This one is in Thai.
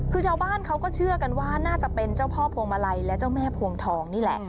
คือชาวบ้านเขาก็เชื่อกันว่าน่าจะเป็นเจ้าพ่อพวงมาลัยและเจ้าแม่พวงทองนี่แหละ